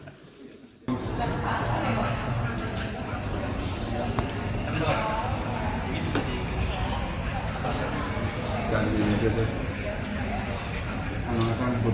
saya mengatakan butuh menggerakkan bagian akun